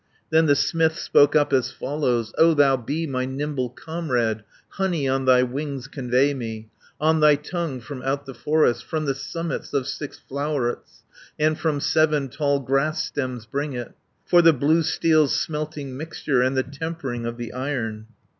"Then the smith spoke up as follows: 'O thou bee, my nimble comrade, Honey on thy wings convey me, On thy tongue from out the forest, From the summits of six flowerets, And from seven tall grass stems bring it, For the blue steel's smelting mixture, And the tempering of the Iron.'